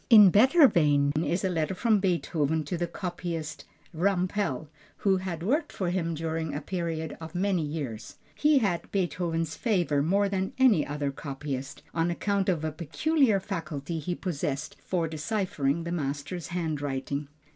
In better vein is a letter from Beethoven to the copyist Rampel, who had worked for him during a period of many years. He had Beethoven's favor more than any other copyist, on account of a peculiar faculty he possessed for deciphering the master's handwriting.